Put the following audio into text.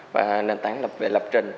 và nền tảng về lập trình